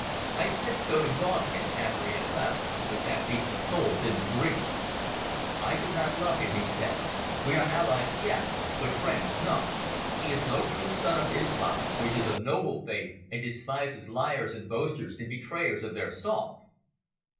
I said so to Gaudian after he had left, but that decent soul didn't agree. "I do not love him," he said. "We are allies—yes; but friends—no. He is no true son of Islam, which is a noble faith and despises liars and boasters and betrayers of their salt."